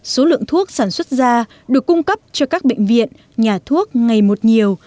số lượng thuốc sản xuất ra được cung cấp cho các bệnh viện nhà thuốc ngày một nhiều